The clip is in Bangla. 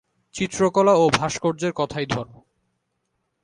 চিত্রকলা ও ভাস্কর্যের কথাই ধর।